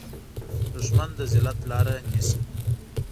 دښمن د ذلت لاره نیسي